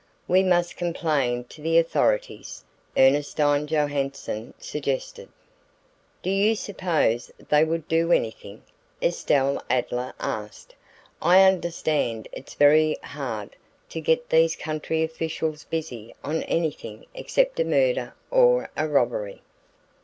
"We must complain to the authorities," Ernestine Johanson suggested. "Do you suppose they would do anything?" Estelle Adler asked. "I understand it's very hard to get these country officials busy on anything except a murder or a robbery."